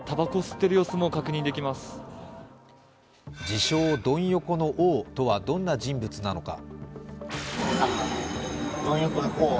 自称・ドン横の王とはどんな人物なのか。